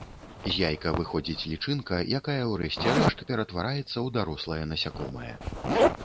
З яйка выходзіць лічынка, якая ў рэшце рэшт ператвараецца ў дарослае насякомае.